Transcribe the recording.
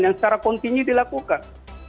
yang secara kontinu dilakukan